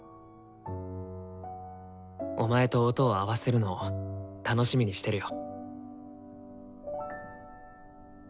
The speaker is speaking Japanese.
お前と音を合わせるのを楽しみにしてるよ。